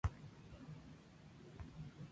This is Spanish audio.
Al huir de la cárcel, van en busca de sus familiares.